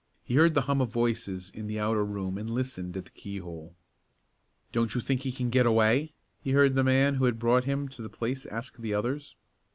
He heard the hum of voices in the outer room and listened at the keyhole. "Don't you think he can get away?" he heard the man who had brought him to the place ask the others.